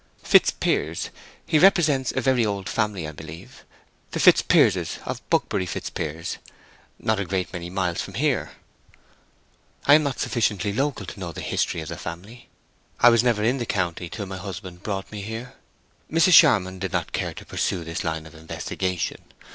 "Fitzpiers. He represents a very old family, I believe, the Fitzpierses of Buckbury Fitzpiers—not a great many miles from here." "I am not sufficiently local to know the history of the family. I was never in the county till my husband brought me here." Mrs. Charmond did not care to pursue this line of investigation.